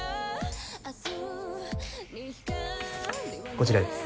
こちらです。